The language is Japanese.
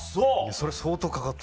それ相当かかった。